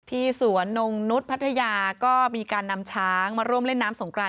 สวนนงนุษย์พัทยาก็มีการนำช้างมาร่วมเล่นน้ำสงคราน